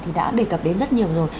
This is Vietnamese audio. thì đã đề cập đến rất nhiều rồi